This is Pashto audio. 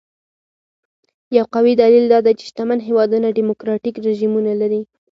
یو قوي دلیل دا دی چې شتمن هېوادونه ډیموکراټیک رژیمونه لري.